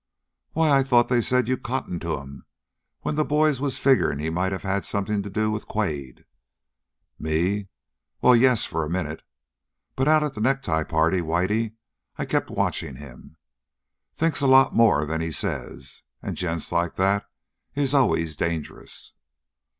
"Why, I thought they said you cottoned to him when the boys was figuring he might have had something to do with Quade?" "Me? Well, yes, for a minute. But out at the necktie party, Whitey, I kept watching him. Thinks a lot more'n he says, and gents like that is always dangerous."